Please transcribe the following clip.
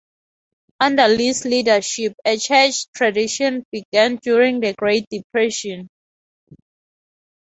Under Lee's leadership, a church tradition began during the Great Depression.